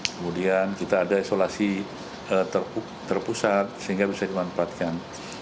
kemudian kita ada isolasi terpusat sehingga bisa dimanfaatkan